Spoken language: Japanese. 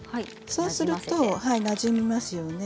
そうするとなじみますよね。